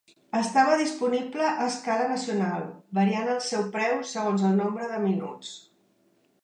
Estava disponible a escala nacional, variant el seu preu segons el nombre de minuts.